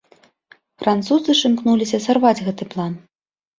Французы ж імкнуліся сарваць гэты план.